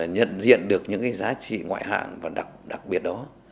nhận diện được những cái giá trị ngoại hạng và đặc biệt đó